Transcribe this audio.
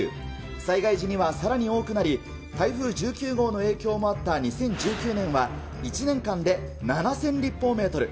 災害時にはさらに多くなり、台風１９号の影響もあった２０１９年は、１年間で７０００立方メートル。